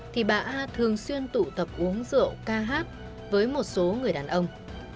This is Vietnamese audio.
thì bà a thường xuyên tụ tập uống rượu ca hát với một số người đàn ông